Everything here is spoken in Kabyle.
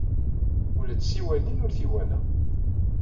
Ula d tiwalin ur t-iwala.